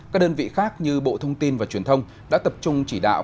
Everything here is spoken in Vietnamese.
các đơn vị khác như bộ thông tin và truyền thông đã tập trung chỉ đạo